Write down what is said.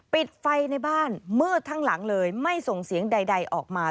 ปิดไฟในบ้านมืดทั้งหลังเลยไม่ส่งเสียงใดออกมา